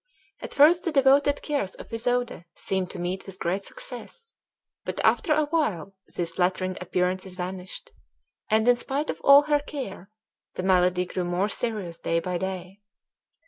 At first the devoted cares of Isoude seemed to meet with great success; but after a while these flattering appearances vanished, and, in spite of all her care, the malady grew more serious day by day.